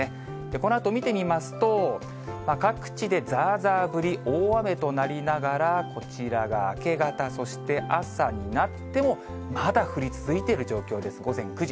このあと見てみますと、各地でざーざー降り、大雨となりながら、こちらが明け方、そして朝になっても、まだ降り続いている状況です、午前９時。